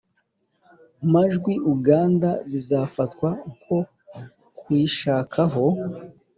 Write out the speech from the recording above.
majwi uganda bizafatwa nko kuyishakaho